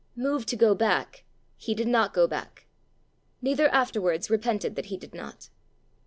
Moved to go back, he did not go back neither afterwards repented that he did not.